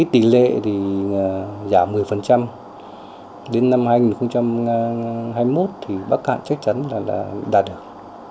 tỷ lệ giảm một mươi đến năm hai nghìn hai mươi một bác hạn chắc chắn là đạt được